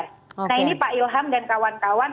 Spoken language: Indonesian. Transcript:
nah ini pak ilham dan kawan kawan